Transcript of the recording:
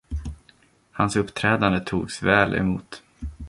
Hans uppträdande togs väl emot: